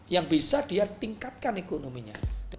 yang bisa dia tingkatkan ekonominya